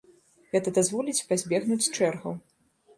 Гэта дазволіць пазбегнуць чэргаў.